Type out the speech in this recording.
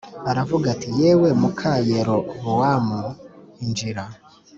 aravuga ati “Yewe muka Yerobowamu, injira